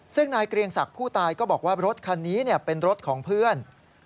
ซึ่งนายเกรียงศักดิ์ผู้ตายก็บอกว่ารถคันนี้เป็นรถของเพื่อน